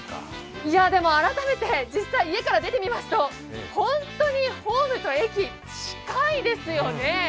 でも改めて実際、家から出てみますと本当にホームと駅、近いですよね。